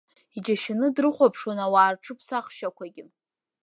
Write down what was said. Иџьашьаны дрыхәаԥшуан ауаа рҽыԥсахшьақәагьы…